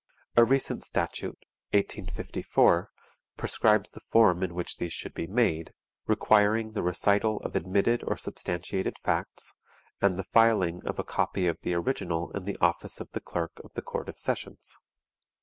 A recent statute (1854) prescribes the form in which these should be made, requiring the recital of admitted or substantiated facts, and the filing of a copy of the original in the office of the clerk of the Court of Sessions.